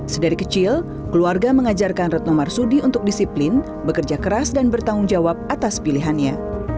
sedari kecil keluarga mengajarkan retno marsudi untuk disiplin bekerja keras dan bertanggung jawab atas pilihannya